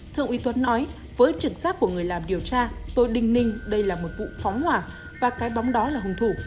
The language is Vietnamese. thượng uy tuân nói với trừng sát của người làm điều tra tôi đinh ninh đây là một vụ phóng hỏa và cái bóng đó là hùng thủ